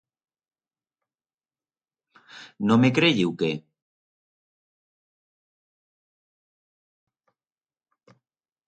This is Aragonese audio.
No me creye u qué?